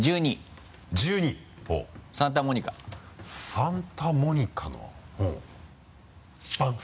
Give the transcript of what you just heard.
「サンタモニカ」